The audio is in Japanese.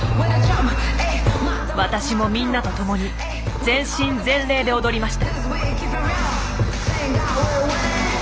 私もみんなと共に全身全霊で踊りました。